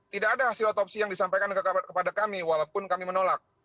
tidak ada hasil otopsi yang disampaikan kepada kami walaupun kami menolak